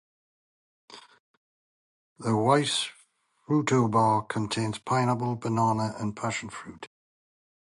The Weis Fruito Bar contains pineapple, banana and passion fruit.